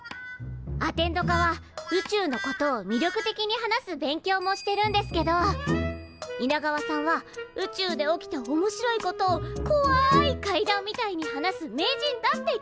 アテンド科は宇宙のことを魅力的に話す勉強もしてるんですけどイナガワさんは宇宙で起きたおもしろいことをこわい怪談みたいに話す名人だって聞きました。